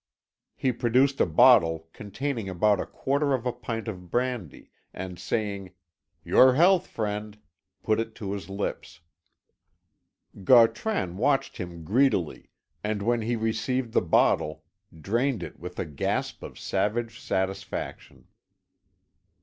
He produced a bottle containing about a quarter of a pint of brandy, and saying, "Your health, friend," put it to his lips. Gautran watched him greedily, and, when he received the bottle, drained it with a gasp of savage satisfaction.